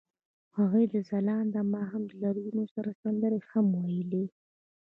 هغوی د ځلانده ماښام له رنګونو سره سندرې هم ویلې.